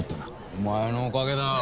お前のおかげだよ。